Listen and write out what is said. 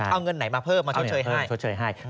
เอาเงินไหนมาเพิ่มมาชดเชยให้ใช่เอาเงินไหนมาเพิ่มมาชดเชยให้